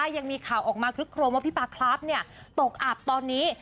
ยังมีข่าวออกมาคลึกโครมว่าพี่ปลาครับตกอับตอนนี้